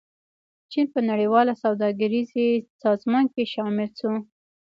چین په نړیواله سوداګریزې سازمان کې شامل شو.